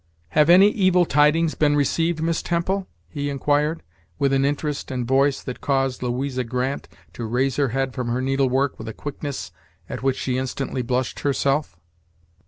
"Have any evil tidings been received, Miss Temple?" he inquired, with an interest and voice that caused Louisa Grant to raise her head from her needlework, with a quickness at which she instantly blushed herself.